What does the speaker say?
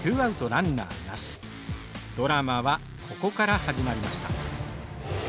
ドラマはここから始まりました。